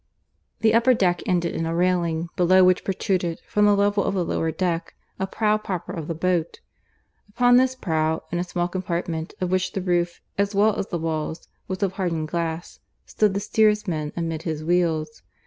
The upper deck ended in a railing, below which protruded, from the level of the lower deck, the prow proper of the boat. Upon this prow, in a small compartment of which the roof, as well as the walls, was of hardened glass, stood the steersman amid his wheels.